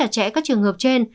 chẽ các trường hợp trên